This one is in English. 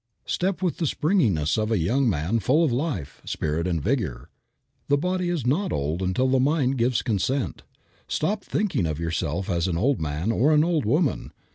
Step with the springiness of a young man full of life, spirit and vigor. The body is not old until the mind gives its consent. Stop thinking of yourself as an old man or an old woman.